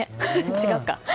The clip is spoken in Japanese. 違うか。